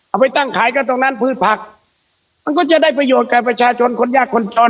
เอาไปตั้งขายกันตรงนั้นพืชผักมันก็จะได้ประโยชน์กับประชาชนคนยากคนจน